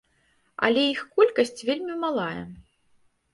Але іх колькасць вельмі малая.